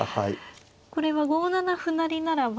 これは５七歩成ならばもう。